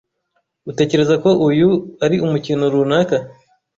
Utekereza ko uyu ari umukino runaka?